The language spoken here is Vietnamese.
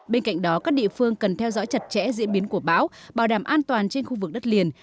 bên cạnh đó các địa phương cần theo dõi chặt chẽ diễn biến của bão bảo đảm an toàn trên khu vực đất liền